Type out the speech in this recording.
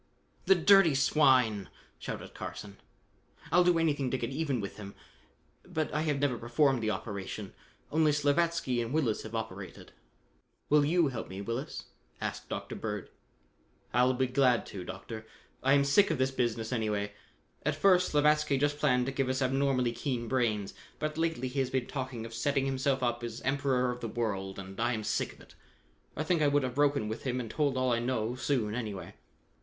"The dirty swine!" shouted Carson. "I'll do anything to get even with him, but I have never performed the operation. Only Slavatsky and Willis have operated." "Will you help me, Willis? asked Dr. Bird. "I'll be glad to, Doctor. I am sick of this business anyway. At first, Slavatsky just planned to give us abnormally keen brains, but lately he has been talking of setting himself up as Emperor of the World, and I am sick of it. I think I would have broken with him and told all I know, soon, anyway."